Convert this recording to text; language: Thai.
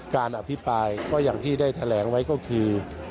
การอภิปรายก็อย่างที่ได้แถลงไว้ก็คือ